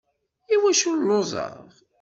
Iwacu lluẓeɣ?